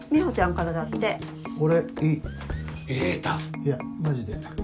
いやマジで。